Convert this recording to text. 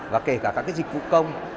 và kể cả các dịch vụ công